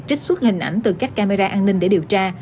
trích xuất hình ảnh từ các camera an ninh để điều tra